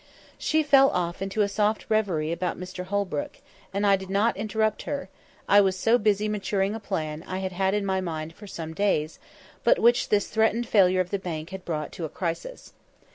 She fell off into a soft reverie about Mr Holbrook, and I did not interrupt her, I was so busy maturing a plan I had had in my mind for some days, but which this threatened failure of the bank had brought to a crisis.